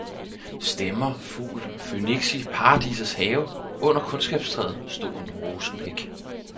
Stemmer fugl føniksi paradisets have, under kundskabstræet, stod en rosenhæk